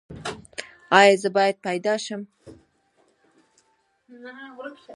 ایا زه باید پیدا شم؟